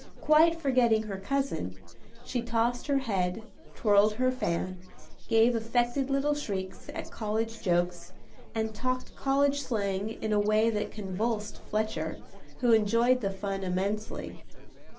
Quite forgetting her cousin, she tossed her head, twirled her fan, gave affected little shrieks at college jokes, and talked college slang in a way that convulsed Fletcher, who enjoyed the fun immensely.